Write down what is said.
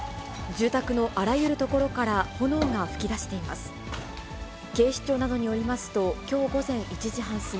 住宅のあらゆる所から炎が噴き出しています。